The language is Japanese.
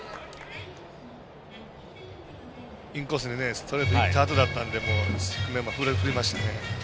インコースにストレートいったあとだったんで低めも振れましたね。